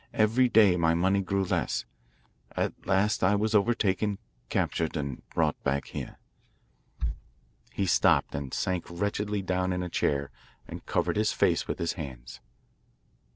Every day my money grew less. At last I was overtaken, captured, and brought back here." He stopped and sank wretchedly down in a chair and covered his face with his hands.